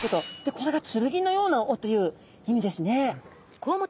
これが剣のような尾という意味ですね。